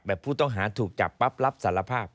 ผู้ต้องหาถูกจับปั๊บรับสารภาพ